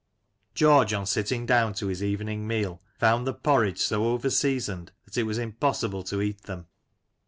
George on sitting down to his evening meal found the porridge so over seasoned that it was impossible to eat them.